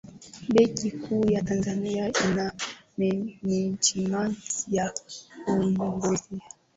benki kuu ya tanzania ina menejimenti ya kuiongoza